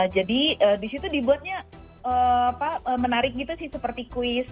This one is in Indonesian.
jadi di situ dibuatnya menarik gitu sih seperti kuis